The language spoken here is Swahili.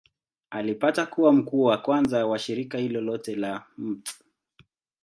Alipata kuwa mkuu wa kwanza wa shirika hilo lote la Mt.